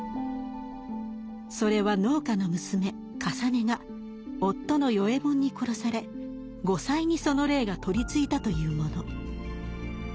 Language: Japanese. それは農家の娘累が夫の与右衛門に殺され後妻にその霊が取りついたというもの。